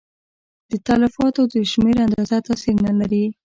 د تلفاتو د شمېر اندازه تاثیر نه لري.